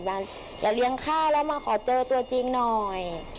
อยากเลี้ยงข้าวฉอย้าการเจอตัวจริงหน่อย